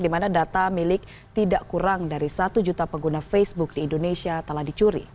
di mana data milik tidak kurang dari satu juta pengguna facebook di indonesia telah dicuri